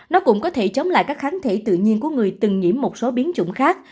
nó cũng có thể chống lại các kháng thể tự nhiên của người từng nhiễm một số biến chủng khác